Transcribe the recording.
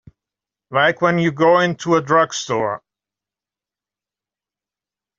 Like when you go into a drugstore.